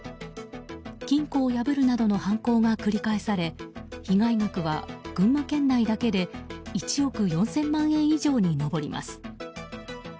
金庫を破るなどの犯行が繰り返され被害額は群馬県内だけで１億４０００万円以上に上ります。